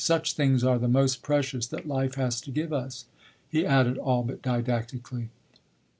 "Such things are the most precious that life has to give us," he added all but didactically.